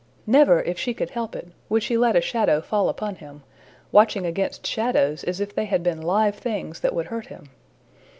Never, if she could help it, would she let a shadow fall upon him, watching against shadows as if they had been live things that would hurt him.